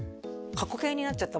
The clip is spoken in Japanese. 過去形になっちゃった